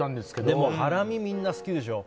でもハラミはみんな好きでしょ？